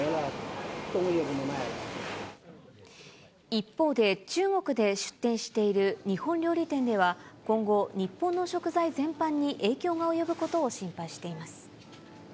一方で、中国で出店している日本料理店では、今後、日本の食材全般に影響が及ぶことを心配しています。